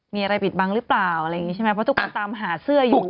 มีอะไรปิดบังหรือเปล่าอะไรอย่างนี้ใช่ไหมเพราะทุกคนตามหาเสื้ออยู่